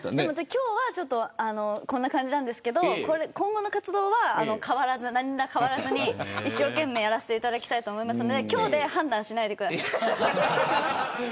今日は、ちょっとこんな感じなんですけど今後の活動は変わらず何ら変わらずに一生懸命やらせていただきたいと思いますので今日で判断しないでください。